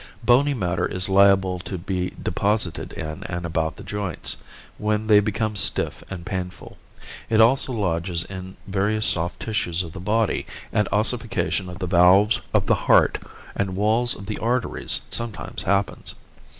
Bony matter is liable to be deposited in and about the joints, when they become stiff and painful. It also lodges in the various soft tissues of the body, and ossification of the valves of the heart and walls of the arteries sometimes happens.